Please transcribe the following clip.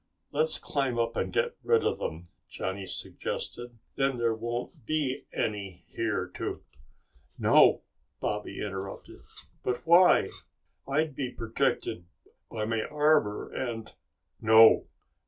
"Let's climb up and get rid of them!" Johnny suggested. "Then there won't be any here to...." "No!" Baba interrupted. "But why? I'd be protected by my armor and...." "No!"